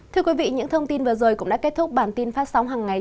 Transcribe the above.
thưa quý vị những thông tin vừa rồi cũng đã kết thúc bản tin phát sóng hằng ngày